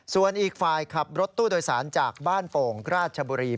ส่วนอีกฝ่ายขับรถตู้โดยสารจากบ้านโป่งราชบุรี